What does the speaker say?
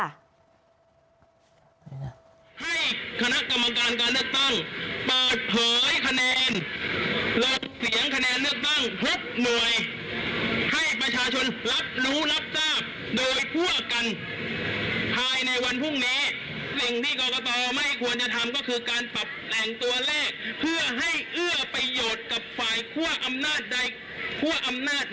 อำนาจใดพวกอำนาจหนึ่งโดยเฉพาะพักพลังประชารัฐและคอสช